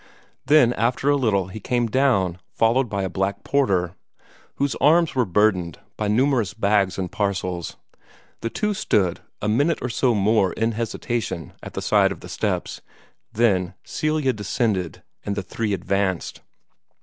Then after a little he came down, followed by a black porter, whose arms were burdened by numerous bags and parcels. The two stood a minute or so more in hesitation at the side of the steps. Then Celia descended, and the three advanced.